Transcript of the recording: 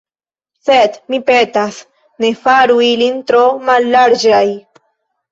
Sed, mi petas, ne faru ilin tro mallarĝaj.